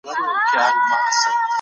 تاریخي لویه جرګه چېرته جوړه سوې وه؟